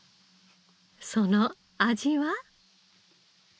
その味は？